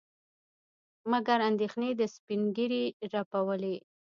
مګر اندېښنې د سپينږيري رپولې.